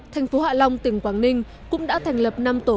thành phố hạ long tỉnh quảng ninh cũng đã thành lập năm tổ